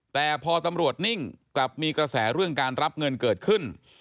แต่พอตำรวจนิ่งกลับมีกระแสเรื่องการรับเงินเกิดขึ้น